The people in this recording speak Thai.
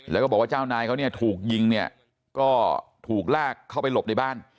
แล้วก็บอกว่าเจ้านายเขาเนี่ยถูกยิงเนี่ยก็ถูกลากเข้าไปหลบในบ้าน